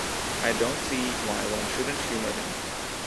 I don't see why one shouldn't humour him.